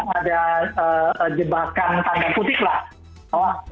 ada jebakan tanda putih lah